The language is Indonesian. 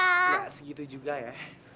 ya segitu juga ya